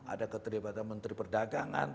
ada keterlibatan menteri perdagangan